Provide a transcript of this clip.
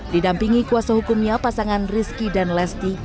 didampingi kuasa hukumnya pasangan rizky dan lesti